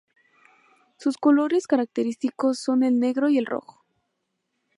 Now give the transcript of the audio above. Sus colores característicos son el negro y el rojo.